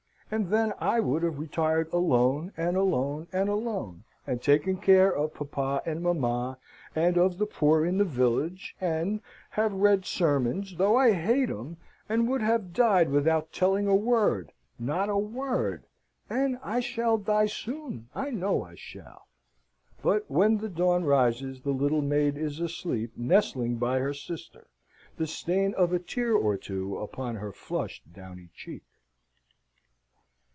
And then I would have retired alone, and alone, and alone, and taken care of papa and mamma, and of the poor in the village, and have read sermons, though I hate 'em, and would have died without telling a word not a word and I shall die soon, I know I shall." But when the dawn rises, the little maid is asleep, nestling by her sister, the stain of a tear or two upon her flushed downy cheek.